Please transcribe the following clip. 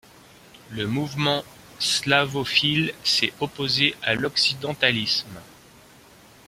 Le mouvement slavophile s'est opposé à l'occidentalisme.